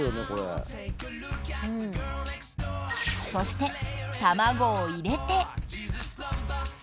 そして、卵を入れて。